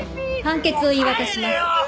判決を言い渡します。